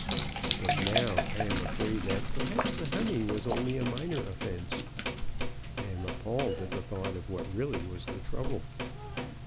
But now I am afraid that perhaps the humming was only a minor offense. I am appalled at the thought of what really was the trouble.